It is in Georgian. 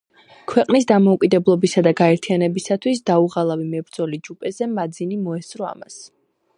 ქვეყნის დამოუკიდებლობისა და გაერთიანებისათვის დაუღალავი მებრძოლი ჯუზეპე მაძინი მოესწრო ამას.